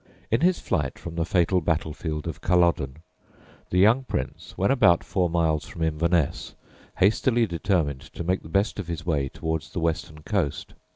In his flight from the fatal battlefield of Culloden the young Prince, when about four miles from Inverness, hastily determined to make the best of his way towards the western coast.